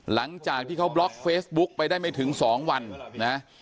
หลังจากที่เขาบล็อกเฟซบุ๊กไปได้ไม่ถึง๒วันนะ